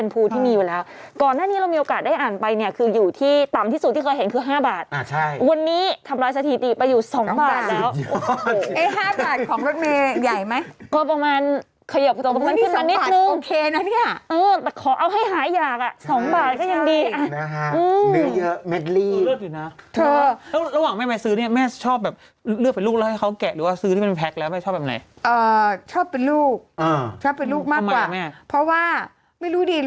พวกนี้แถวบ้านเชาเนี่ยเขาแข่งกันเลยนะพี่ผัด